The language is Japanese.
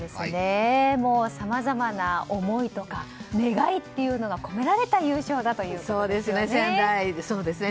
さまざまな思いとか願いというものが込められた優勝ということですね。